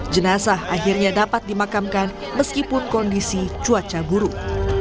jenazah akhirnya dapat dimakamkan meskipun kondisi cuaca buruk